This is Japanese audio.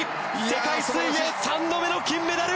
世界水泳、３度目の金メダル！